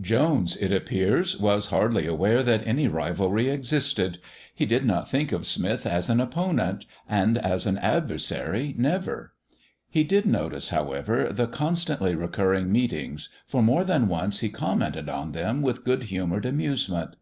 Jones, it appears, was hardly aware that any rivalry existed; he did not think of Smith as an opponent, and as an adversary, never. He did notice, however, the constantly recurring meetings, for more than once he commented on them with good humoured amusement.